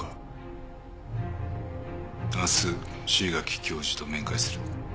明日椎垣教授と面会する。